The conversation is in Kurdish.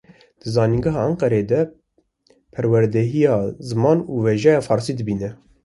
Di zanîngeha Enqereyê de, perwerdeya ziman û wêjeya fransî dibîne.